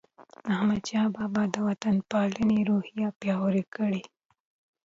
احمدشاه بابا د وطن پالنې روحیه پیاوړې کړه.